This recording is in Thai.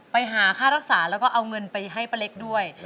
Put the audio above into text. ไปหาค่ารักษาแล้วก็เอาเงินไปให้ป้าเล็กด้วย